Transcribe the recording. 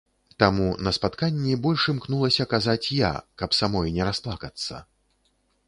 Таму на спатканні больш імкнулася казаць я, каб самой не расплакацца.